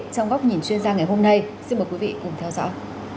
trong góc nhìn chuyên gia ngày hôm nay xin mời quý vị cùng theo dõi